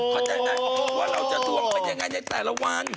เข้าใจไหมว่าเราจะดวงเป็นยังไงในแต่ละวัน